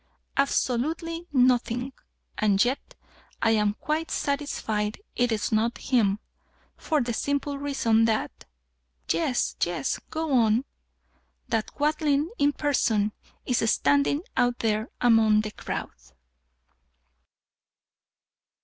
"Absolutely nothing. And yet I am quite satisfied it is not him. For the simple reason that " "Yes, yes, go on." "That Quadling in person is standing out there among the crowd."